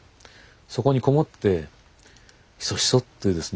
そこに籠もってヒソヒソってですね